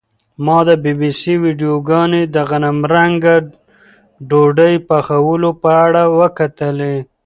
ما د بي بي سي ویډیوګانې د غنمرنګه ډوډۍ پخولو په اړه وکتلې.